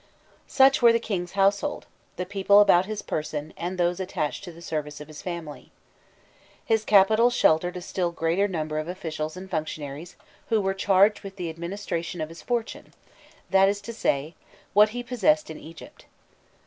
* Such were the king's household, the people about his person, and those attached to the service of his family. His capital sheltered a still greater number of officials and functionaries who were charged with the administration of his fortune that is to say, what he possessed in Egypt.